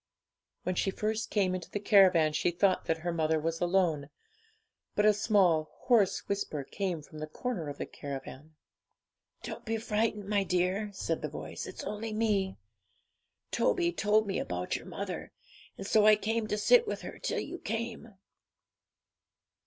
When she first came into the caravan, she thought that her mother was alone, but a small hoarse whisper came from the corner of the caravan 'Don't be frightened, my dear,' said the voice; 'it's only me. Toby told me about your mother, and so I came to sit with her till you came.'